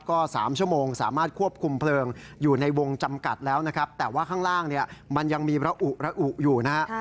ก็๓ชั่วโมงสามารถควบคุมเพลิงอยู่ในวงจำกัดแล้วนะครับแต่ว่าข้างล่างเนี่ยมันยังมีระอุระอุอยู่นะฮะ